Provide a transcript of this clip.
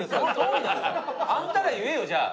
あんたら言えよじゃあ。